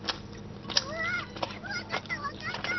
あっわかったわかった！